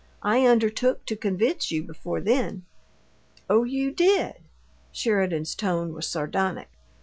I undertook to convince you before then." "Oh, you did?" Sheridan's tone was sardonic.